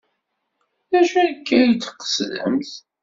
D acu akka ay d-tqesdemt?